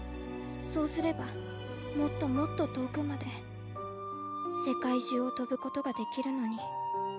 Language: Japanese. そうすればもっともっととおくまでせかいじゅうをとぶことができるのに。